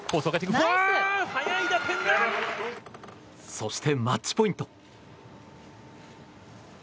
そしてマッチポイント。